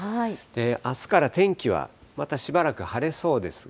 あすから天気はまたしばらく晴れそうですが。